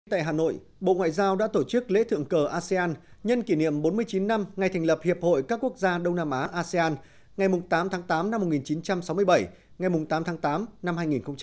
tại hà nội bộ ngoại giao đã tổ chức lễ thượng cờ asean nhân kỷ niệm bốn mươi chín năm ngày thành lập hiệp hội các quốc gia đông nam á asean ngày tám tháng tám năm một nghìn chín trăm sáu mươi bảy ngày tám tháng tám năm hai nghìn hai mươi